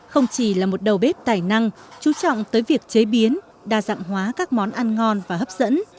không chỉ là một đầu bếp tài năng chú trọng tới việc chế biến đa dạng hóa các món ăn ngon và hấp dẫn